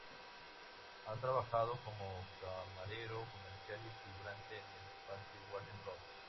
Ha trabajado como camarero, comercial y figurante en el Parque Warner Bros.